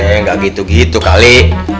ya nggak gitu gitu kali